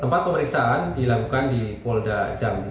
tempat pemeriksaan dilakukan di polda jambi